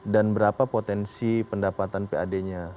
dan berapa potensi pendapatan pad nya